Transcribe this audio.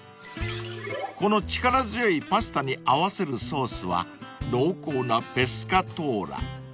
［この力強いパスタに合わせるソースは濃厚なペスカトーラ］